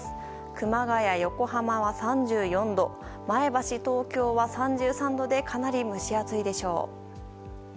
熊谷、横浜は３４度前橋、東京は３３度でかなり蒸し暑いでしょう。